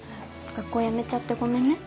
学校やめちゃってごめんね。